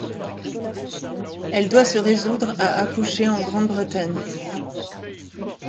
Elle doit se résoudre à accoucher en Grande-Bretagne.